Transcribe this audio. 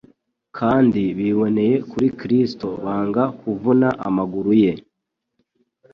kandi biboneye kuri Kristo, banga kuvuna amaguru ye.